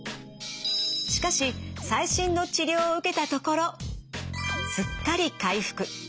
しかし最新の治療を受けたところすっかり回復。